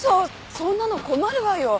そんなの困るわよ。